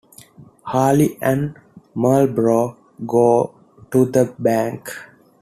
Harley and Marlboro go to the bank.